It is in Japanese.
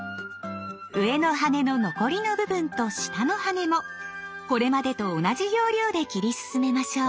上の羽の残りの部分と下の羽もこれまでと同じ要領で切り進めましょう。